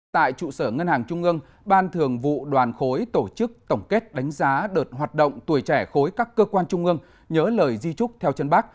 tại trụ sở ngân hàng trung ương ban thường vụ đoàn khối tổ chức tổng kết đánh giá đợt hoạt động tuổi trẻ khối các cơ quan trung ương nhớ lời di trúc theo chân bác